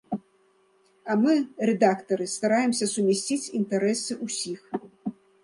А мы, рэдактары, стараемся сумясціць інтарэсы ўсіх.